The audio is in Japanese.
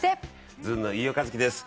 ずんの飯尾和樹です。